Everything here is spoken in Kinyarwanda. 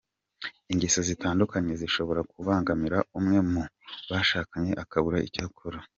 Ingeso zitandukanye zishobora kubangamira umwe mu bashakanye akabura icyo akora.